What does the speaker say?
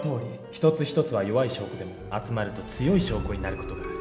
一つ一つは弱い証拠でも集まると強い証拠になる事がある。